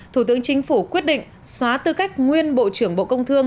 thủ tướng chính phủ quyết định xóa tư cách nguyên bộ trưởng bộ công thương